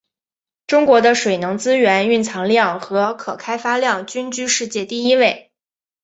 中国的水能资源蕴藏量和可开发量均居世界第一位。